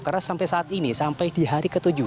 karena sampai saat ini sampai di hari ke tujuh